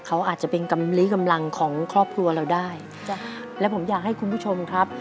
เขาอาจจะเป็นกำลีกำลังของครอบครัวเราได้จ้ะและผมอยากให้คุณผู้ชมครับ